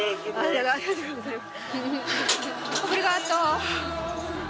ありがとうございます。